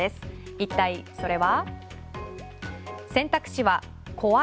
一体、それは？